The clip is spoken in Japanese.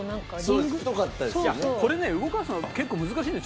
いやこれね動かすの結構難しいんだよ。